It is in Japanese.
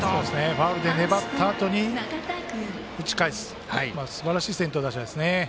ファウルで粘ったあとに打ち返すすばらしい先頭打者ですね。